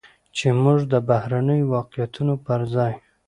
چې موږ د بهرنيو واقعيتونو پرځاى